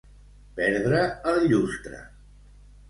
Perdre el llustre.